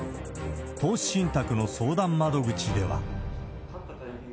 投資信託の相談窓口では。